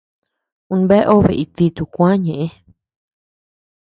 U bea obe it dituu kuä ñeʼë.